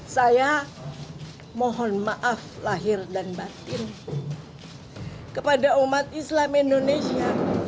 saya mohon maaf lahir dan batin kepada umat islam indonesia